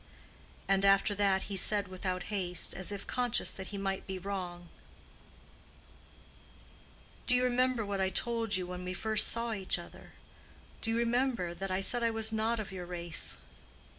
And after that he said, without haste, as if conscious that he might be wrong, "Do you forget what I told you when we first saw each other? Do you remember that I said I was not of your race?"